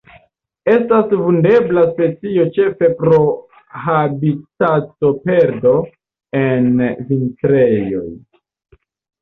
Estas vundebla specio ĉefe pro habitatoperdo en vintrejoj.